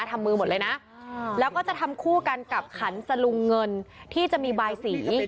ทำมือหมดเลยนะแล้วก็จะทำคู่กันกับขันสลุงเงินที่จะมีบายสี